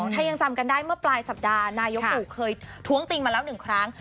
ถ้ายังจำกันได้เมื่อปลายสัปดาห์นายกตู่เคยท้วงติงมาแล้ว๑ครั้ง